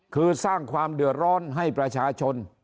คือสร้างความเดือดร้อนให้ประชาชน